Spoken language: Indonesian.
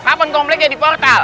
kapan kompleksnya diportal